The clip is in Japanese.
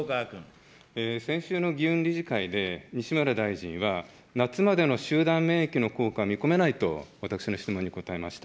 先週の議運理事会で、西村大臣は、夏までの集団免疫の効果は見込めないと、私の質問に答えました。